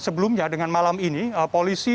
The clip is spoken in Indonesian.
sebelumnya dengan malam ini polisi